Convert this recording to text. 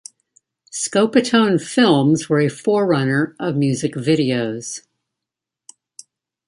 Scopitone films were a forerunner of music videos.